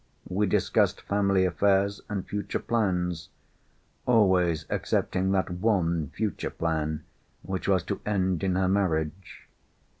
We discussed family affairs and future plans—always excepting that one future plan which was to end in her marriage.